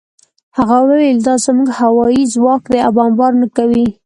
هغه وویل دا زموږ هوايي ځواک دی او بمبار نه کوي